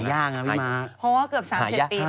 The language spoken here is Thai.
เพราะว่าเกือบ๓๗ปี